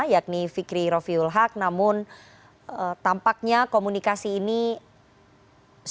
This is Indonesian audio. yakni fikri rofiul haq namun tampaknya komunikasi ini serius